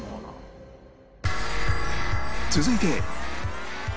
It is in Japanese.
続いて